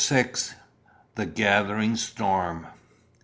THE GATHERING STORM.